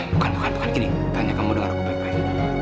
bukan akan gini tanya kamu dengar aku baik baik